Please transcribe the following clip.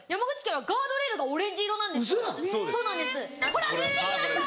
ほら見てください！